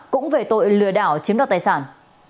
cũng về tội lừa đảo chiếm đặt tài sản